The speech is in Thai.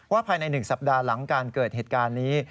ภายใน๑สัปดาห์หลังการเกิดเหตุการณ์นี้